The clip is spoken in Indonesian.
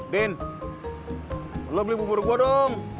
din lo beli bubur gua dong